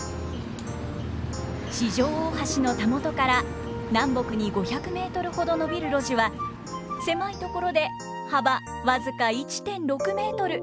四条大橋のたもとから南北に５００メートルほど延びる路地は狭いところで幅僅か１．６メートル。